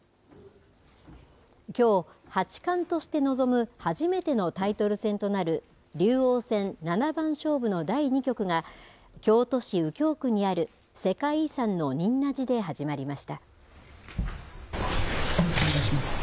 きょう、八冠として臨む初めてのタイトル戦となる、竜王戦七番勝負の第２局が、京都市右京区にある世界遺産の仁和寺で始まりました。